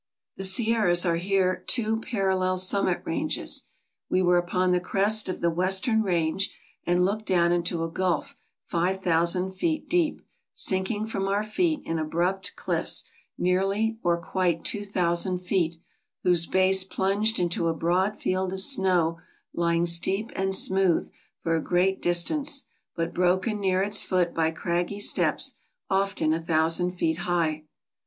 The Sierras are here two parallel summit ranges. We were upon the crest of the western range, and looked down into a gulf 5000 feet deep, sinking from our feet in abrupt cliffs nearly or quite 2000 feet, whose base plunged into a broad field of snow lying steep and smooth for a great dis tance, but broken near its foot by craggy steps often a thou sand feet high.